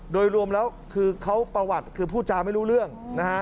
โดยรวมแล้วคือเขาประวัติคือพูดจาไม่รู้เรื่องนะฮะ